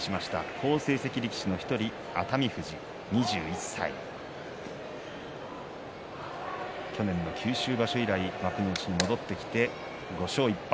好成績力士、熱海富士２１歳去年の九州場所以来幕内に戻ってきて５勝１敗。